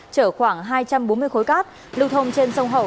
chở khoảng hai trăm bốn mươi khối cát lưu thông trên sông hậu